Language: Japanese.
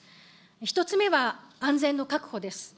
１つ目は、安全の確保です。